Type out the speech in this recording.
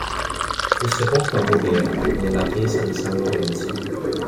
Fu sepolto a Voghera, nella chiesa di San Lorenzo.